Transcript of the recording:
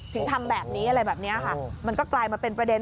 ถึงทำแบบนี้อะไรแบบนี้ค่ะมันก็กลายมาเป็นประเด็น